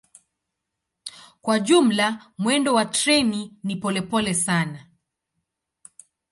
Kwa jumla mwendo wa treni ni polepole sana.